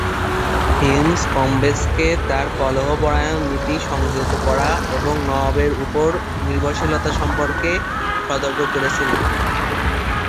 Hume's কম্বেসকে তার কলহপরায়ণ নীতি সংযত করা এবং নওয়াবের উপর নির্ভরশীলতা সম্পর্কে সতর্ক করেছিলেন।